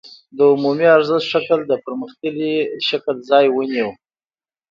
د عمومي ارزښت شکل د پرمختللي شکل ځای ونیو